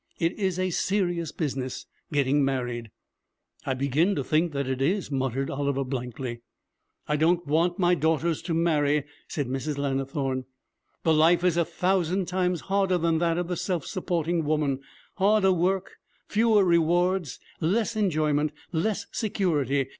It is a serious business, getting married.' 'I begin to think it is,' muttered Oliver blankly. 'I don't want my daughters to marry,' said Mrs. Lannithorne. 'The life is a thousand times harder than that of the self supporting woman harder work, fewer rewards, less enjoyment, less security.